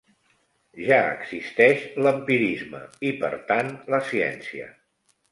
Ja existeix l'empirisme, i per tant la ciència.